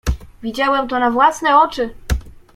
"Widziałem to na własne oczy."